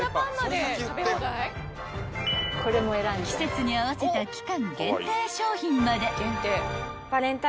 ［季節に合わせた期間限定商品まで］